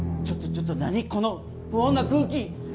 ちょっとちょっと何この不穏な空気。